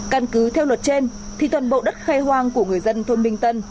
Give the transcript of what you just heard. căn cứ theo luật trên thì toàn bộ đất khai hoang của người dân thôn minh tân